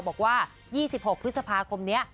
บอกว่า๒๖พฤษภาคมนี้